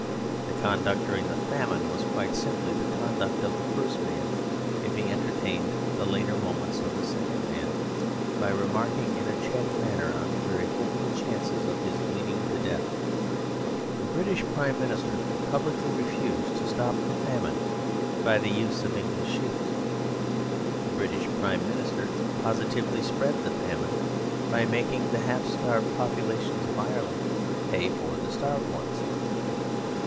The conduct during the Famine was quite simply the conduct of the first man if he entertained the later moments of the second man, by remarking in a chatty manner on the very hopeful chances of his bleeding to death. The British Prime Minister publicly refused to stop the Famine by the use of English ships. The British Prime Minister positively spread the Famine, by making the half starved populations of Ireland pay for the starved ones.